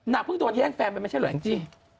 นักพึ่งตัวนี้แหล่งแฟนมั้ยไม่ใช่เหรอแหล่งจิ